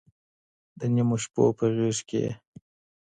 د نيمو شپو په غېږ كي يې